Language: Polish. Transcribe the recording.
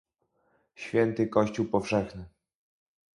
Święty Kościół powszechny